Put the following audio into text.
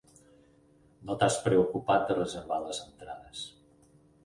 No t'has preocupat de reservar les entrades.